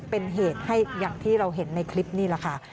เป็นเหตุให้อย่างที่เราเห็นในคลิปนี่แหละค่ะ